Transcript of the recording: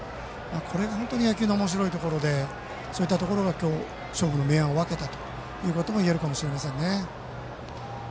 これが本当に野球のおもしろいところでそういったところが勝負の明暗を分けたと言えるかもしれません。